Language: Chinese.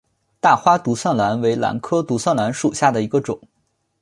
大花独蒜兰为兰科独蒜兰属下的一个种。